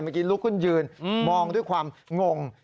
เมื่อกี้ลุกขึ้นยืนมองด้วยความงง